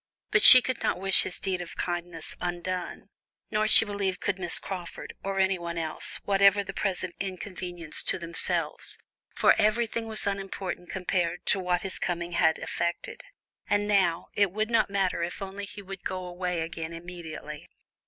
But she could not wish his deed of kindness undone, nor she believed could Miss Crawford, or anyone else, whatever the present inconvenience to themselves, for everything was unimportant compared with what his coming had effected; and now, it would not matter if only he would go away again immediately.